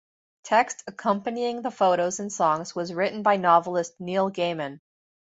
Text accompanying the photos and songs was written by novelist Neil Gaiman.